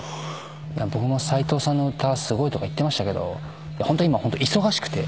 僕も斎藤さんの歌すごいとか言ってましたけどホント今忙しくて。